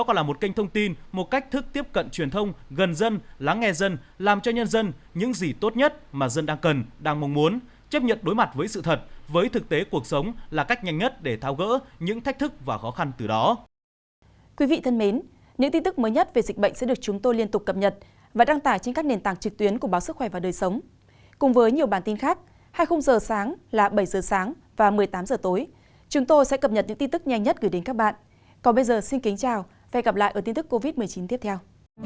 còn bây giờ xin kính chào và hẹn gặp lại ở tin tức covid một mươi chín tiếp theo